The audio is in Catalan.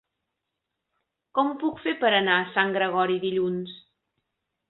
Com ho puc fer per anar a Sant Gregori dilluns?